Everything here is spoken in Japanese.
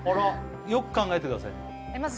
よく考えてくださいね